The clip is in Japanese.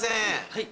はい。